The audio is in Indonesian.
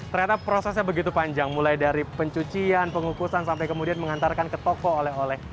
ternyata prosesnya begitu panjang mulai dari pencucian pengukusan sampai kemudian mengantarkan ke toko oleh oleh